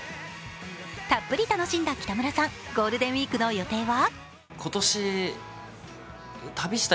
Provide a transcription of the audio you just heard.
たっぷり楽しんだ北村さん、ゴールデンウイークの予定は？